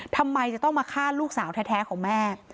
ทำไมจะต้องมาฆ่าลูกสาวแท้ของแม่